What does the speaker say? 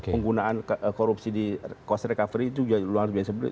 penggunaan korupsi di cost recovery itu luar biasa